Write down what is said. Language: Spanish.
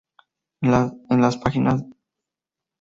En las páginas de "Mr.